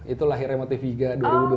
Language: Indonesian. itu lahirnya motiviga dua ribu dua puluh